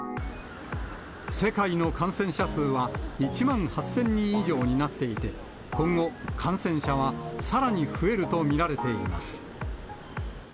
世界の感染者数は１万８０００人以上になっていて、今後、感染者はさらに増えると見られています。